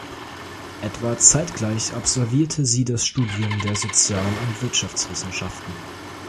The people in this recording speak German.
Etwa zeitgleich absolvierte sie das Studium der Sozial- und Wirtschaftswissenschaften.